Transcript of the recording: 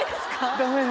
ダメ。